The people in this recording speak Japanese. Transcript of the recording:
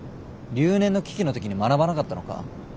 留年の危機の時に学ばなかったのか？